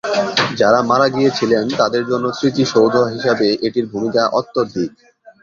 যারা মারা গিয়েছিলেন তাদের জন্য স্মৃতিসৌধ হিসাবে এটির ভূমিকা অত্যধিক।